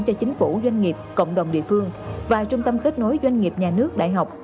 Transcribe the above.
cho chính phủ doanh nghiệp cộng đồng địa phương và trung tâm kết nối doanh nghiệp nhà nước đại học